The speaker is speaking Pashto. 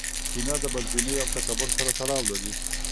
کینه د بدبینۍ او تکبر سره تړاو لري.